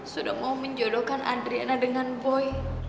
sudah mau menjodohkan adriana dengan boy